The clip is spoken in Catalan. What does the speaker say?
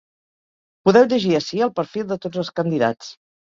Podeu llegir ací el perfil de tots els candidats.